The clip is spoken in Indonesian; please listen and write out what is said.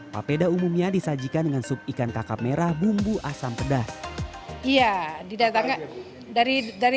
papeda umumnya disajikan dengan sup ikan kakap merah bumbu asam pedas iya didatangkan dari dari